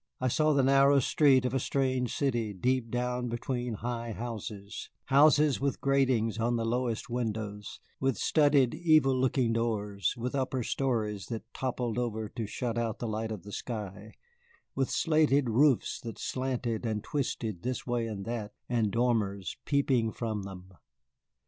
I saw the narrow street of a strange city deep down between high houses, houses with gratings on the lowest windows, with studded, evil looking doors, with upper stories that toppled over to shut out the light of the sky, with slated roofs that slanted and twisted this way and that and dormers peeping from them.